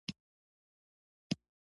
پکورې د ماشومانو په خوښیو اضافه کوي